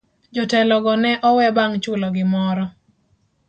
Jotelo go ne owe bang' chulo gimoro.